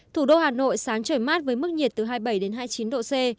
thủ đô hà nội sáng trời mát với mức nhiệt từ hai mươi bảy đến hai mươi chín độ c